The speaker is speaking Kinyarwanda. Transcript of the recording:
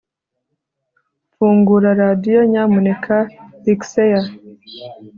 Fungura radio nyamuneka piksea